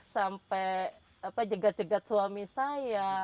sampai jegat jegat suami saya